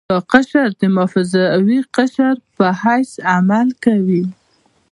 دا قشر د محافظوي قشر په حیث عمل کوي.